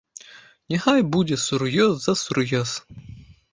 Няхай будзе сур'ёз за сур'ёз!